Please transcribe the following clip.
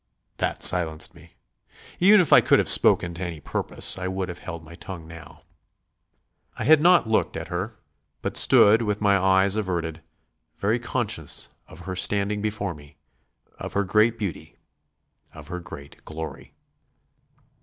That silenced me. Even if I could have spoken to any purpose, I would have held my tongue now. I had not looked at her; but stood with my eyes averted, very conscious of her standing before me; of her great beauty, of her great glory.